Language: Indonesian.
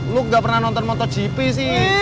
lu gak pernah nonton motogp sih